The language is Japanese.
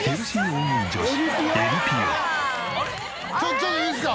「ちょっといいですか？」